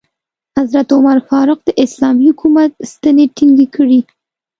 حضرت عمر فاروق د اسلامي حکومت ستنې ټینګې کړې.